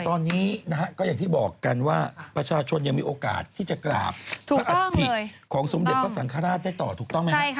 ตอนนี้นะฮะก็อย่างที่บอกกันว่าประชาชนยังมีโอกาสที่จะกราบพระอัฐิของสมเด็จพระสังฆราชได้ต่อถูกต้องไหมครับ